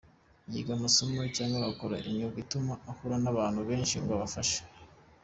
Yiga amasomo cyangwa agakora imyuga ituma ahura n’abantu benshi ngo abafashe .